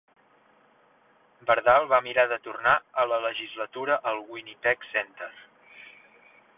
Bardal va mirar de tornar a la legislatura al Winnipeg Centre.